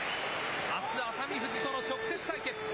あす、熱海富士との直接対決。